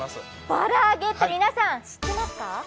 バラ揚げって皆さん知っていますか？